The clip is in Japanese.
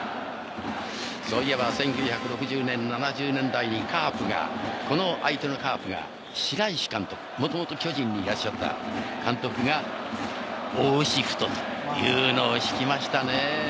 そういえば１９６０年７０年代にカープがこの相手のカープが白石監督元々巨人にいらっしゃった監督が「王シフト」というのを敷きましたね。